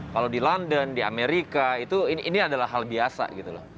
kalau di london di amerika ini adalah hal biasa gitu loh